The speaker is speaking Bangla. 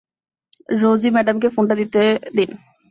রোজি ম্যাডামকে ফোনটা দিতে দিন।